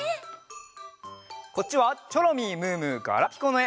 こっちはチョロミームームーガラピコのえ。